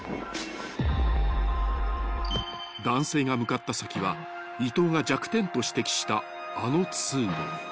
［男性が向かった先は伊東が弱点と指摘したあの通路］